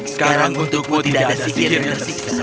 sekarang untukmu tidak ada sihir yang tersiksa